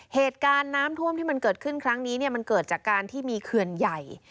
เหตุการณ์น้ำท่วมที่มันเกิดขึ้นครั้งนี้มันเกิดจากการที่มีเขื่อนใหญ่